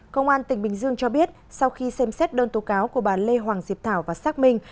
công an tỉnh bình dương cho biết sau khi xem xét đơn tố cáo của bà lê hoàng diệp thảo và xác minh